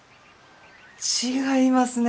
違いますね！